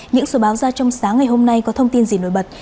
những số báo ra trong sáng ngày hôm nay có thông tin gì nổi bật